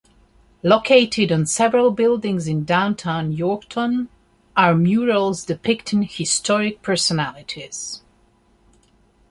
Located on several buildings in downtown Yorkton are murals depicting historic personalities.